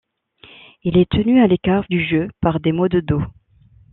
Il est tenu à l'écart du jeu par des maux de dos.